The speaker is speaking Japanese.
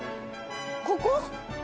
ここ？